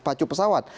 di pacu pesawat